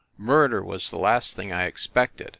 Murder was the last thing I expected.